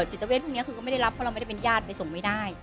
จิตเวทพวกนี้คือก็ไม่ได้รับเพราะเราไม่ได้เป็นญาติไปส่งไม่ได้